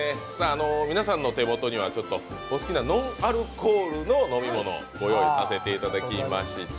皆さんの手元にはノンアルコールのお好きな飲み物をご用意させていただきました。